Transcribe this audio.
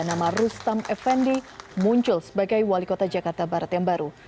nama rustam effendi muncul sebagai wali kota jakarta barat yang baru